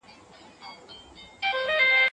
که وخت ضایع شي، پښېماني راځي.